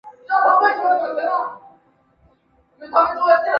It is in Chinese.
海马齿为番杏科海马齿属的植物。